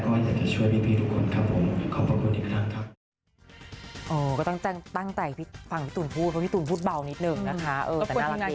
ว่าอยากจะช่วยพี่ทุกคนครับผมขอขอบคุณอีกครั้งครับ